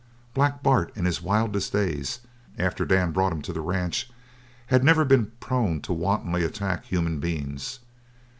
Black Bart in his wildest days after Dan brought him to the ranch had never been prone to wantonly attack human beings.